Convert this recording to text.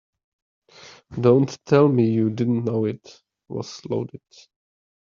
Don't tell me you didn't know it was loaded.